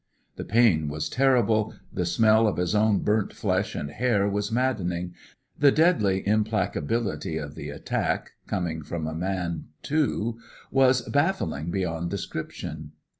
The pain was terrible; the smell of his own burnt flesh and hair was maddening; the deadly implacability of the attack, coming from a man, too, was baffling beyond description.